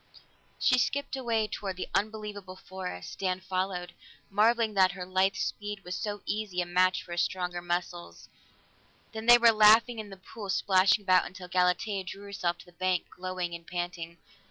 She skipped away toward the unbelievable forest; Dan followed, marveling that her lithe speed was so easy a match for his stronger muscles. Then they were laughing in the pool, splashing about until Galatea drew herself to the bank, glowing and panting.